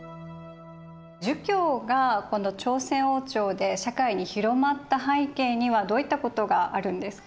儒教がこの朝鮮王朝で社会に広まった背景にはどういったことがあるんですか？